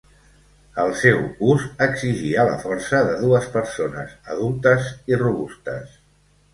El seu ús exigia la força de dues persones adultes i robustes.